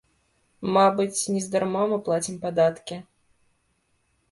Мабыць, нездарма мы плацім падаткі.